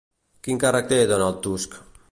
Quin càrrec té Donald Tusk?